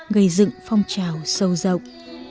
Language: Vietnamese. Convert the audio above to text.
gây dựng phong trào sâu rộng